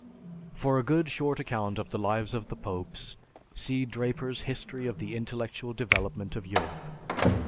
(For a good short account of the lives of the popes, see Draper's, "History of the Intellectual Development of Europe.")